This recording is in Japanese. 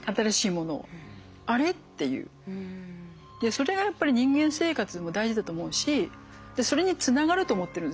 それがやっぱり人間生活にも大事だと思うしそれにつながると思ってるんですよ。